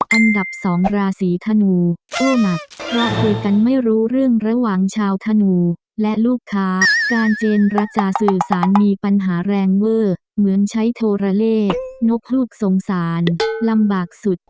อันดับ๒ราศีธนูโอ้หนักเพราะคุยกันไม่รู้เรื่องระหว่างชาวธนูและลูกค้าการเจรจาสื่อสารมีปัญหาแรงเวอร์เหมือนใช้โทรเล่นกลูกสงสารลำบากสุด